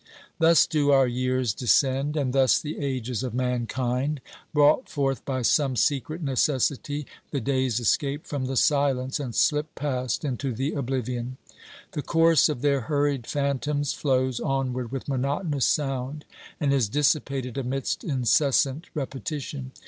Thus do our years descend, and thus the ages of mankind ; brought forth by some secret necessity, the days escape from the silence and slip past into the oblivion. The course of their hurried phantoms flows onward with monotonous sound, and is dissipated amidst incessant repetition.